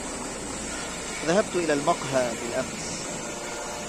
ذهبت إلى المقهى بالأمس.